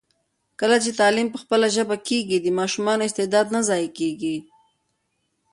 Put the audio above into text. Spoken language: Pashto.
کله چي تعلیم په خپله ژبه کېږي، د ماشومانو استعداد نه ضایع کېږي.